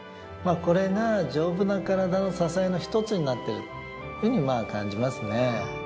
まあこれが丈夫なカラダの支えの１つになってるっていうふうに感じますね。